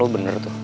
man bis miranda